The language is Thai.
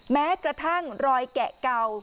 แม้กระทั่งรอยแกะเก่า